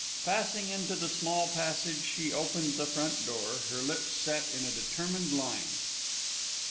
Passing into the small passage she opened the front door, her lips set in a determined line.